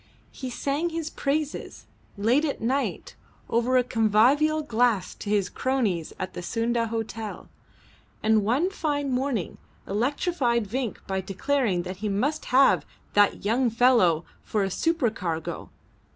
He sang his praises, late at night, over a convivial glass to his cronies in the Sunda Hotel, and one fine morning electrified Vinck by declaring that he must have "that young fellow for a supercargo.